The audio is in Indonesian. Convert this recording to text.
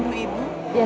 udah mampu nanya